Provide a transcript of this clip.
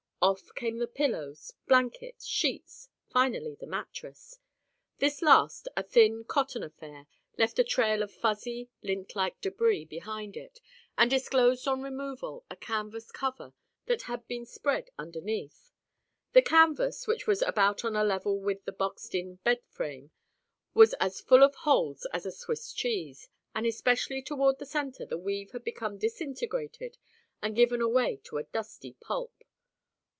Off came the pillows—blankets—sheets—finally the mattress. This last, a thin cotton affair, left a trail of fuzzy, lint like debris behind it and disclosed on removal a canvas cover that had been spread underneath. The canvas, which was about on a level with the boxed in bed frame, was as full of holes as a Swiss cheese and especially toward the center the weave had become disintegrated and given away to a dusty pulp.